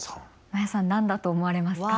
真矢さん何だと思われますか？